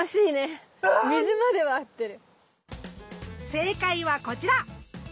正解はこちら！